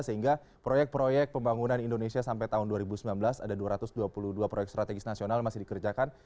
sehingga proyek proyek pembangunan indonesia sampai tahun dua ribu sembilan belas ada dua ratus dua puluh dua proyek strategis nasional masih dikerjakan